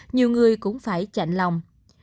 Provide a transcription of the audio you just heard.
nhiều người cũng phải chạnh lòng